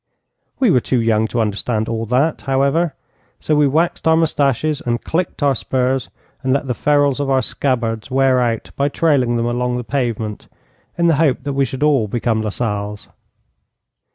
We were too young to understand all that, however, so we waxed our moustaches and clicked our spurs and let the ferrules of our scabbards wear out by trailing them along the pavement in the hope that we should all become Lasalles.